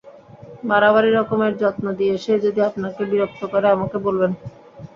বাড়াবাড়ি রকমের যত্ন দিয়ে সে যদি আপনাকে বিরক্ত করে আমাকে বলবেন।